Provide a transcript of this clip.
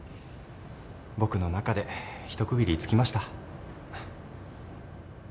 僕の中で一区切りつきました。